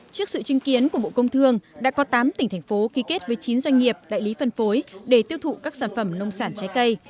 trước sự chứng kiến của bộ công thương đã có tám tỉnh thành phố ký kết với chín doanh nghiệp đại lý phân phối để tiêu thụ các sản phẩm nông sản trái cây